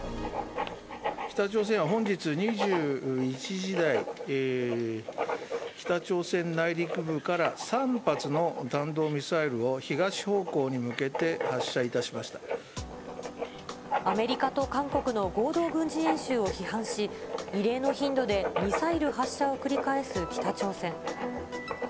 北朝鮮は本日２１時台、北朝鮮内陸部から３発の弾道ミサイルを、東方向に向けて発射いたアメリカと韓国の合同軍事演習を批判し、異例の頻度でミサイル発射を繰り返す北朝鮮。